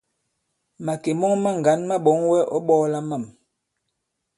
Màkè mɔŋ maŋgǎn ma ɓɔ̌ŋ wɛ ɔ̌ ɓɔ̄ɔla mâm.